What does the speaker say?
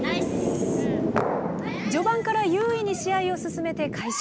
序盤から優位に試合を進めて快勝。